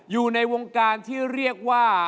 อยู่ในวงการที่เรียกว่า